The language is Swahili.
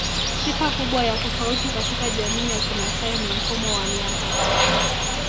Sifa kubwa ya tofauti katika Jamii ya kimaasai ni mfumo wa miaka